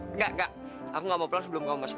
enggak enggak aku nggak mau pulang sebelum kamu masuk